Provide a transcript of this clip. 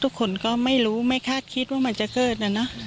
ทุกคนก็ไม่รู้ไม่คาดคิดว่ามันจะเกิดนะนะ